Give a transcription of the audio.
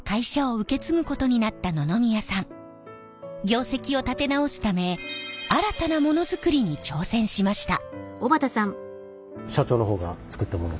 業績を立て直すため新たなものづくりに挑戦しました。